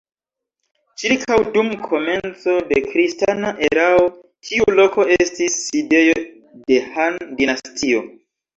Ĉirkaŭ dum komenco de kristana erao tiu loko estis sidejo de Han-dinastio.